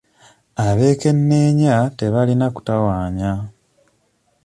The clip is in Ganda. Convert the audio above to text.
Abekenneenya tebalina kutawaanya.